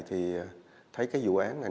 thì thấy cái vụ án này